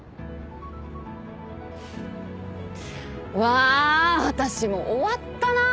わ私も終わったな。